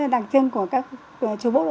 đặc trưng của các chú bộ